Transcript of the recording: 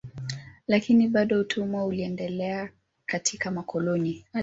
Lakini bado utumwa uliendelea katika makoloni.